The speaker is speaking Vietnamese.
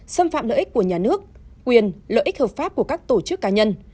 xâm phạm lợi ích của nhà nước quyền lợi ích hợp pháp của các tổ chức cá nhân